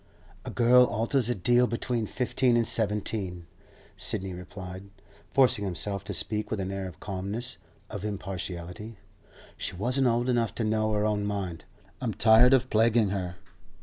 'A girl alters a deal between fifteen and seventeen,' Sidney replied, forcing himself to speak with an air of calmness, of impartiality. 'She wasn't old enough to know her own mind. I'm tired of plaguing her.